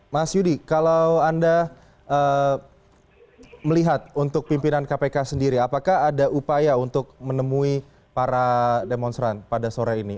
mas yudi kalau anda melihat untuk pimpinan kpk sendiri apakah ada upaya untuk menemui para demonstran pada sore ini